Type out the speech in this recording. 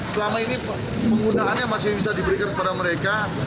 selama ini penggunaannya masih bisa diberikan kepada mereka